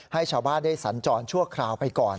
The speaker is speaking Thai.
ให้ชาวบ้านได้สัญจรชั่วคราวไปก่อน